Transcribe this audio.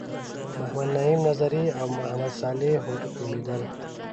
محمد نعیم نظري او محمد صالح هوډ نومیدل.